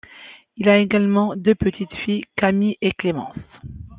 Il a également deux petites-filles, Camille et Clémence.